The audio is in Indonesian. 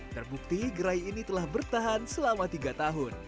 terbukti gerai ini telah bertahan selama tiga tahun